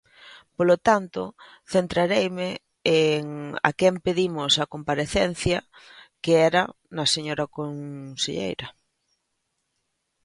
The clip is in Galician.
Polo tanto, centrareime en a quen pedimos a comparecencia, que era na señora conselleira.